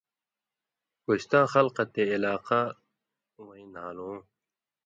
کوستاں خلکہ تے علاقہ وَیں نھالُوں